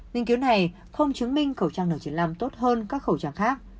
nghiên cứu này không chứng minh khẩu trang n chín mươi năm tốt hơn các khẩu trang khác